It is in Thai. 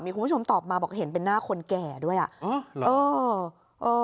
มีคุณผู้ชมตอบมาบอกเห็นเป็นหน้าคนแก่ด้วยอ่ะอ๋อเหรอเออเออ